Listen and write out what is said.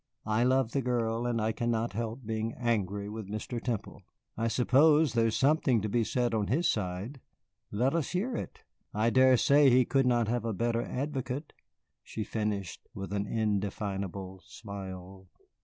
I love the girl, and I cannot help being angry with Mr. Temple. I suppose there is something to be said on his side. Let us hear it I dare say he could not have a better advocate," she finished, with an indefinable smile.